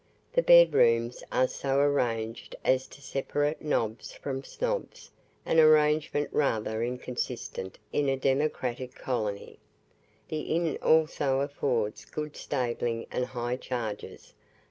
The bed rooms are so arranged as to separate nobs from snobs an arrangement rather inconsistent in a democratic colony. The inn also affords good stabling and high charges.